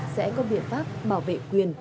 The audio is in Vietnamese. sẽ có biện pháp bảo vệ quyền